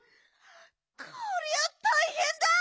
こりゃたいへんだ！